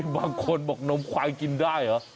บางคนบอกนมควายกินได้เหรอ